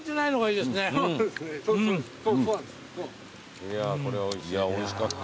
いやおいしかった。